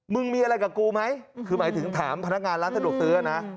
มีอะไรกับกูไหมคือหมายถึงถามพนักงานร้านสะดวกซื้อนะ